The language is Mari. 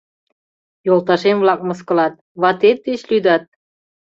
Йолташем-влак мыскылат: «Ватет деч лӱдат?